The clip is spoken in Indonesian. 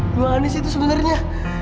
bukan anis itu sebenarnya